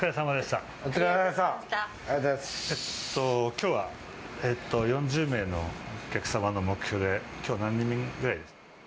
今日は４０名のお客様の目標で今日何人ぐらいでした？